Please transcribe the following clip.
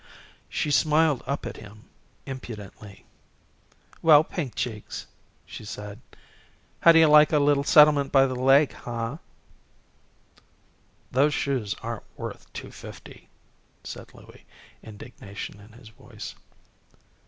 She smiled up at him, impudently. "Well, Pink Cheeks," she said, "how do you like our little settlement by the lake, huh?" "These shoes aren't worth two fifty," said Louie, indignation in his voice.